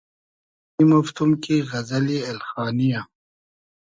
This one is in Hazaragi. پݷمۉفتوم کی غئزئلی اېلخانی یۂ